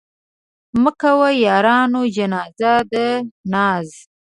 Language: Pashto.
مه کوئ يارانو جنازه د ناز